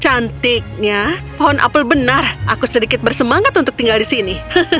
cantiknya pohon apel benar aku sedikit bersemangat untuk tinggal di sini